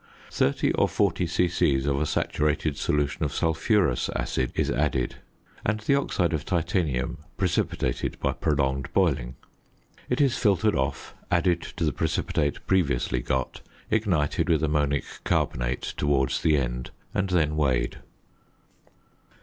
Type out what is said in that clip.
30 or 40 c.c. of a saturated solution of sulphurous acid is added, and the oxide of titanium precipitated by prolonged boiling. It is filtered off, added to the precipitate previously got, ignited with ammonic carbonate towards the end, and then weighed.